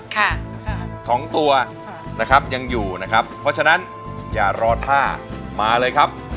ค่ะสองตัวค่ะนะครับยังอยู่นะครับเพราะฉะนั้นอย่ารอท่ามาเลยครับ